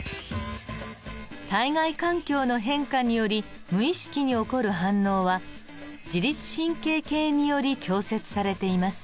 体外環境の変化により無意識に起こる反応は自律神経系により調節されています。